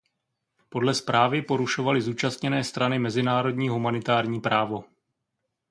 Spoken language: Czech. Podle zprávy porušovaly zúčastněné strany mezinárodní humanitární právo.